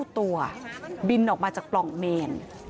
ตัวบินออกมาจากปล่องเมน